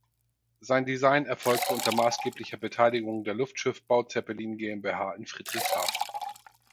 Sein Design erfolgte unter maßgeblicher Beteiligung der Luftschiffbau Zeppelin GmbH in Friedrichshafen.